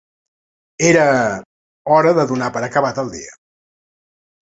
Era... hora de donar per acabat el dia.